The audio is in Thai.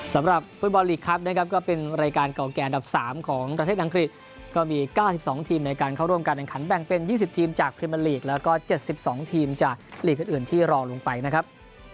สำหรับฟุตบอลลีกครับนะครับก็เป็นรายการเก่าแก่อันดับ๓ของประเทศอังกฤษก็มี๙๒ทีมในการเข้าร่วมการแข่งขันแบ่งเป็น๒๐ทีมจากพรีเมอร์ลีกแล้วก็๗๒ทีมจากลีกอื่นที่รอลงไปนะครับ